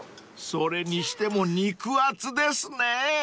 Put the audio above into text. ［それにしても肉厚ですね］